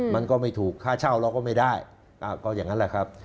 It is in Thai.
มันก็ไม่ถูกค่าเช่าเราก็ไม่ได้ก็อย่างนั้นแหละครับ